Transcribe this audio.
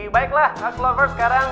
baiklah aslovers sekarang